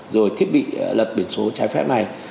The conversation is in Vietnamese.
rồi thiết bị lật biển số trái phép này